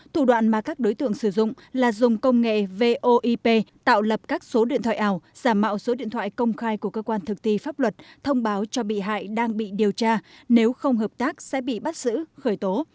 thủ đoạn mà các đối tượng sử dụng là dùng công nghệ voip tạo lập các số điện thoại ảo giả mạo số điện thoại công khai của cơ quan thực tỷ pháp luật thông báo cho bị hại đang bị điều tra nếu không hợp tác sẽ bị bắt xử khởi tố